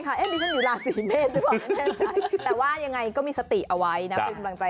ค่ะมีค่าเป็นคนมีค่า